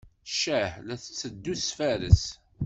Ccah! la tetteddu tfarres.